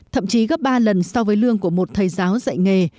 thậm chí gấp ba lần so với lương của một thầy giáo dạy nghề